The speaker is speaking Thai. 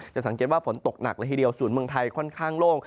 สังเกตว่าฝนตกหนักละทีเดียวศูนย์เมืองไทยค่อนข้างโล่ง